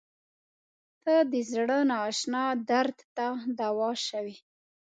• ته د زړه نااشنا درد ته دوا شوې.